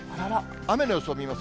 雨の予想見ます。